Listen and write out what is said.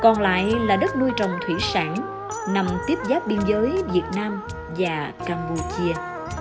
còn lại là đất nuôi trồng thủy sản nằm tiếp giáp biên giới việt nam và campuchia